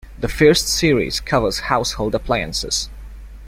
The first series covers household appliances.